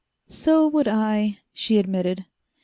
"So would I," she admitted.